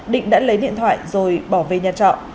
định đã lấy điện thoại rồi bỏ về nhà trọ